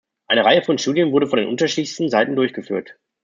Eine Reihe von Studien wurden von den unterschiedlichsten Seiten durchgeführt.